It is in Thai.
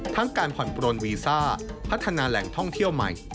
การผ่อนปลนวีซ่าพัฒนาแหล่งท่องเที่ยวใหม่